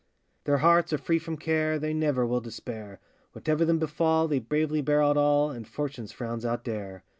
Their hearts are free from care, They never will despair; Whatever them befal, they bravely bear out all, And fortune's frowns outdare.